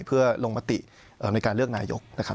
เพื่อลงมติในการเลือกนายกนะครับ